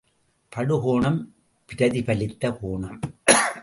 படுகோணம் பிரதிபலித்த கோணம்.